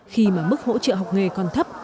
khi mà mức hỗ trợ học nghề còn thấp